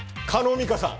美香さん？